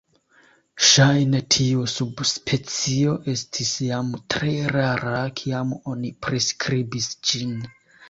Ŝajne tiu subspecio estis jam tre rara kiam oni priskribis ĝin.